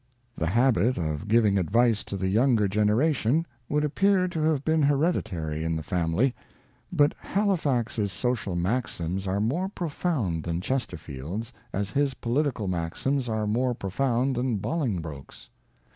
The habit of giving advice to the younger generation would appear to have been hereditary in the family. But Halifax's social maxims are more profound than Chesterfield's, as his political maxims are more profound than Boling broke's.